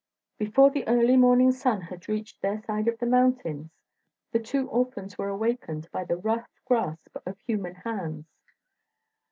Before the early morning sun had reached their side of the mountains, the two orphans were awakened by the rough grasp of human hands.